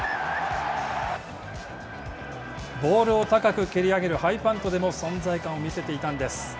ボールを高く蹴り上げるハイパントでも、存在感を見せていたんです。